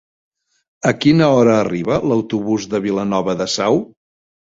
A quina hora arriba l'autobús de Vilanova de Sau?